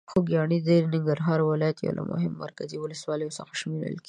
خوږیاڼي د ننګرهار ولایت یو له مهمو مرکزي ولسوالۍ څخه شمېرل کېږي.